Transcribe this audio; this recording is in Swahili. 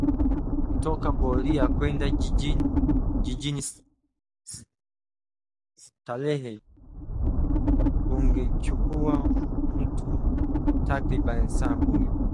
Kutoka boria kwenda jijini Starehe kungemchukua mtu takriban saa kumi